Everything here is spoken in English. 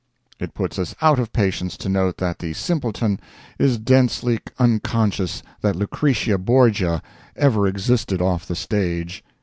It puts us out of patience to note that the simpleton is densely unconscious that Lucrezia Borgia ever existed off the stage.